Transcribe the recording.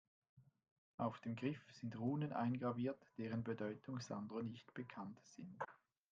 Auf dem Griff sind Runen eingraviert, deren Bedeutung Sandro nicht bekannt sind.